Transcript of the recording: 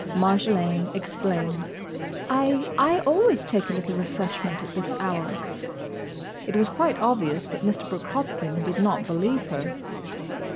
Marjolaine explained. "I—I always take a little refreshment at this hour." It was quite obvious that Mr. Brooke Hoskyn did not believe her.